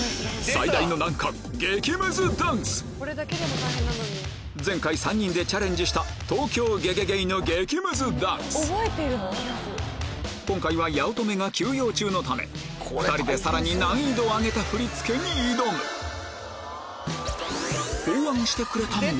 最大の難関前回３人でチャレンジした東京ゲゲゲイの激むずダンス今回は八乙女が休養中のため２人でさらに難易度を上げた振り付けに挑む・おいおいおい！